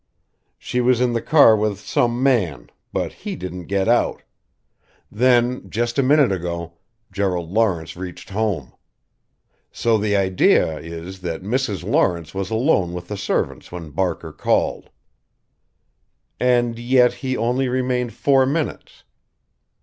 She was in the car with some man but he didn't get out. Then, just a minute ago, Gerald Lawrence reached home. So the idea is that Mrs. Lawrence was alone with the servants when Barker called." "And yet he only remained four minutes?"